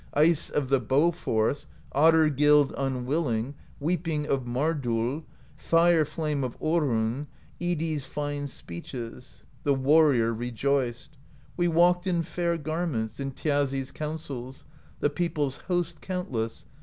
Ice of the bow force. Otter gild unwilling. Weeping of Mardoll, Fire flame of Orun, Idi's fine Speeches. The warrior rejoiced; We walked in fair garments. In Thjazi's counsels The people's host countless.